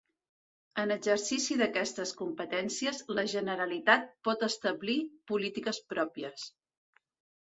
En exercici d'aquestes competències, la Generalitat pot establir polítiques pròpies.